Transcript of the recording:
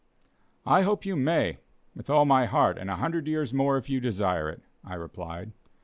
"I hope you may, with all my heart, and a hundred years more if you desire it," I replied.